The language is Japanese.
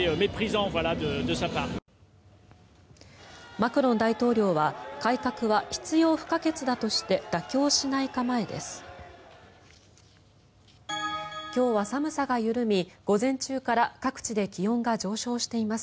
マクロン大統領は改革は必要不可欠だとして妥協しない構えです。